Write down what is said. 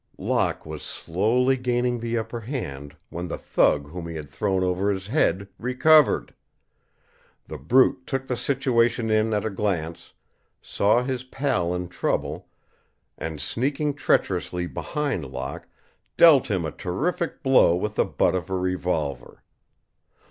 Locke was slowly gaining the upper hand when the thug whom he had thrown over his head recovered. The brute took the situation in at a glance, saw his pal in trouble, and, sneaking treacherously behind Locke, dealt him a terrific blow with the butt of a revolver.